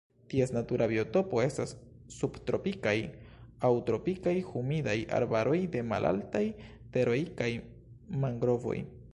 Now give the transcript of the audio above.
Ties natura biotopo estas subtropikaj aŭ tropikaj humidaj arbaroj de malaltaj teroj kaj mangrovoj.